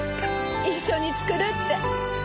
一緒に作るって。